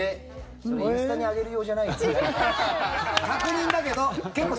それ、インスタに上げる用じゃないよね？